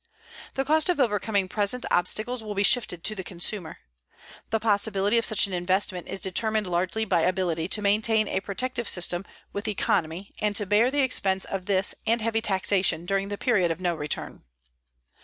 The cost of overcoming present obstacles will be shifted to the consumer. The possibility of such an investment is determined largely by ability to maintain a protective system with economy and to bear the expense of this and of heavy taxation during the period of no return.